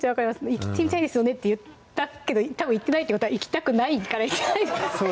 「行ってみたいですよね」って言ったけどたぶん行ってないってことは行きたくないから行ってない